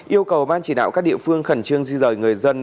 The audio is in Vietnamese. yêu cầu ban chỉ đạo các địa phương khẩn trương di rời người dân